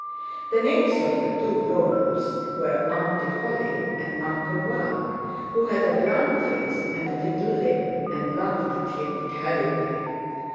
The names of the two grown ups were "Auntie" Holly and "Uncle" Val, who had a brown face and a little limp, and laughed at him terribly.